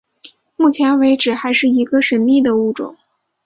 目前为止还是一个神秘的物种。